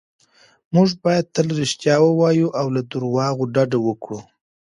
موږ باید تل رښتیا ووایو او له درواغو ډډه وکړو.